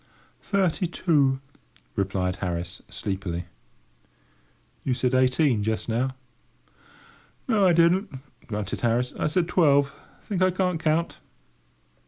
"Thirty two," replied Harris, sleepily. "You said eighteen just now," said George. "No, I didn't," grunted Harris; "I said twelve. Think I can't count?"